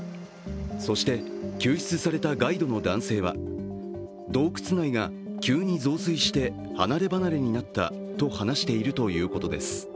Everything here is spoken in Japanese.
そして、救出されたガイドの男性は洞窟内が急に増水して離れ離れになったと話しているということです